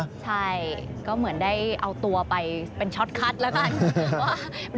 ใช่ก็เหมือนได้เอาตัวไปเป็นช็อตคัทแล้วกัน